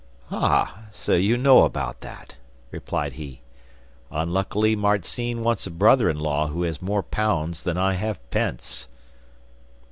'Ah, so you know about that,' replied he; 'unluckily Marzinne wants a brother in law who has more pounds than I have pence.